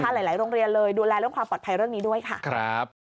หลายโรงเรียนเลยดูแลเรื่องความปลอดภัยเรื่องนี้ด้วยค่ะ